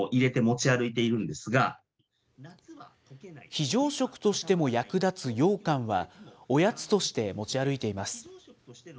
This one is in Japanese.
非常食としても役立つようかんは、おやつとして持ち歩いています。